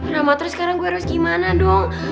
ramah terus gue sekarang harus gimana dong